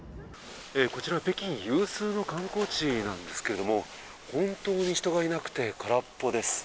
こちら北京有数の観光地なんですけれども本当に人がいなくて空っぽです。